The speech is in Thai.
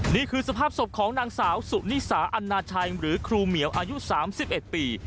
นี่คือสภาพศพของนางสาวสุนิสาอันนาชัยหรือครูเหมียวอายุ๓๑ปี